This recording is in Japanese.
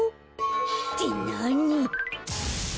ってなに？